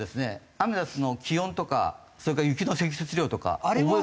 アメダスの気温とかそれから雪の積雪量とか覚えるのが得意で。